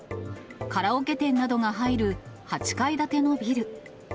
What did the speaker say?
カラオケ店などが入る８階建てのビル。